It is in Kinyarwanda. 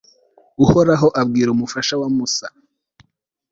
uhoraho abwira umufasha wa musa